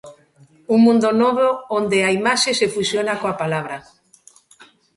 Un mundo novo onde a imaxe se fusiona coa palabra.